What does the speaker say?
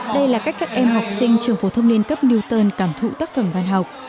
đây là cách các em học sinh trường phổ thông niên cấp newton cảm thụ tác phẩm văn học